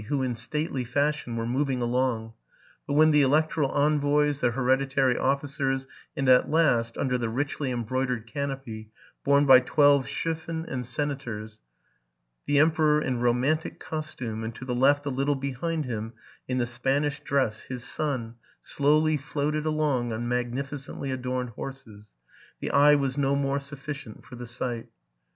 who, in stately fashion, were moving along ; but when the electoral envoys, the hereditary officers, and at last, under the richly embroidered canopy, borne by twelve schaffen and senators, the emperor, in romantic costume, and to the left, a little behind him, in the Spanish dress, his son, slowly floated along on magnificently adorned horses, the eye was no more sufficient for the sight.